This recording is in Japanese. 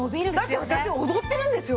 だって私踊ってるんですよ